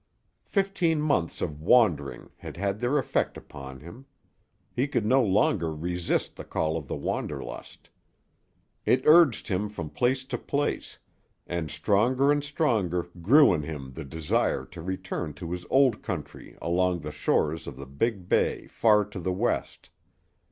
Fifteen months of wandering had had their effect upon him. He could no longer resist the call of the wanderlust. It urged him from place to place, and stronger and stronger grew in him the desire to return to his old country along the shores of the big Bay far to the west.